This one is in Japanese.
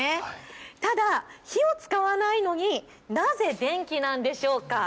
ただ火を使わないのになぜ電気なんでしょうか。